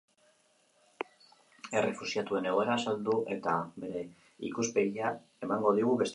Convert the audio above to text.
Errefuxiatuen egoera azaldu eta bere ikuspegia emango digu, besteak beste.